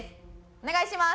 お願いします。